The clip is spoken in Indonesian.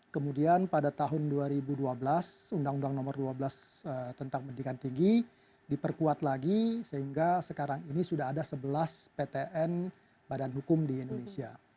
kemudian pada tahun dua ribu dua belas undang undang nomor dua belas tentang pendidikan tinggi diperkuat lagi sehingga sekarang ini sudah ada sebelas ptn badan hukum di indonesia